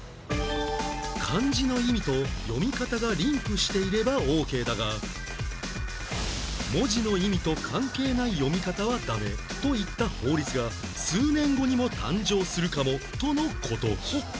漢字の意味と読み方がリンクしていればオーケーだが文字の意味と関係ない読み方はダメといった法律が数年後にも誕生するかもとの事